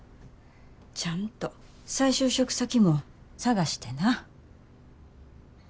ちゃんと再就職先も探してな。